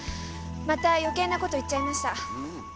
また余計なこと言っちゃいました。